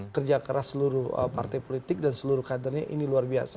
kerja keras seluruh partai politik dan seluruh kadernya ini luar biasa